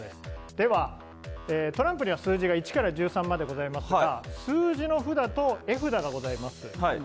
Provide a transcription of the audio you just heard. では、トランプには数字が１から１３までございますが数字の札と絵札がございます。